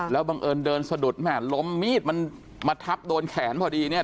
แล้วบังเอิญเดินสะดุดแม่ล้มมีดมันมาทับโดนแขนพอดีเนี่ย